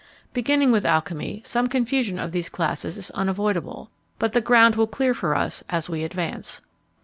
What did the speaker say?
Beginning with alchymy, some confusion of these classes is unavoidable; but the ground will clear for us as we advance.